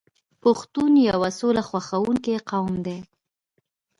پښتون یو سوله خوښوونکی قوم دی.